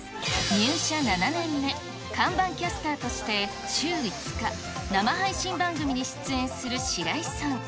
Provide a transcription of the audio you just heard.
入社７年目、看板キャスターとして週５日、生配信番組に出演する白井さん。